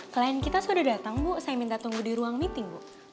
klien kita sudah datang bu saya minta tunggu di ruang meeting bu